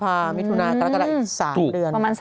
ประมาณ๓เดือน